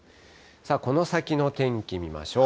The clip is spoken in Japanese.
この先の天気見ましょう。